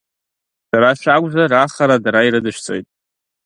Шәара шәакәзар, ахара дара ирыдышәҵоит.